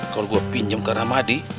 kalau gue pinjam ke ramadi